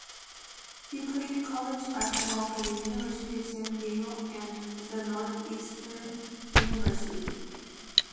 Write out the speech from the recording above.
He played college basketball for the University of San Diego and the Northeastern University.